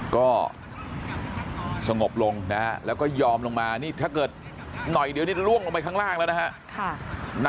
ก็สงบลงนะฮะแล้วก็ยอมลงมานี่ถ้าเกิดหน่อยเดี๋ยวนี้ล่วงลงไปข้างล่างแล้วนะฮะ